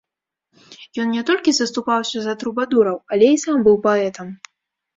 Ён не толькі заступаўся за трубадураў, але і сам быў паэтам.